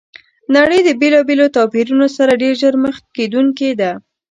نړۍ د بېلابېلو توپیرونو سره ډېر ژر مخ کېدونکي ده!